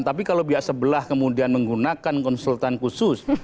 tapi kalau pihak sebelah kemudian menggunakan konsultan khusus